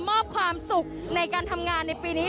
มอบความสุขในการทำงานในปีนี้